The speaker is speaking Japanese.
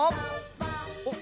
おっ！